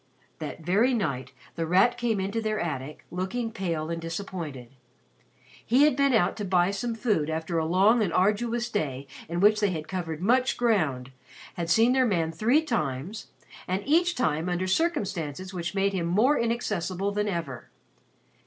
That very night The Rat came in to their attic looking pale and disappointed. He had been out to buy some food after a long and arduous day in which they had covered much ground, had seen their man three times, and each time under circumstances which made him more inaccessible than ever.